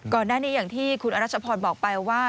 ก่อนแน่นี้อย่างที่คุณอรัชพรบอกไปว่า